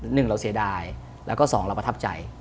หนึ่งเราเสียดายแล้วก็สองเราประทับใจ